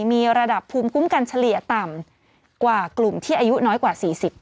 มีระดับภูมิคุ้มกันเฉลี่ยต่ำกว่ากลุ่มที่อายุน้อยกว่า๔๐